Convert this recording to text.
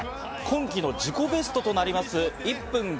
今期の自己ベストとなります